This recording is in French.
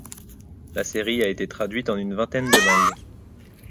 La série a été traduite en une vingtaine de langues.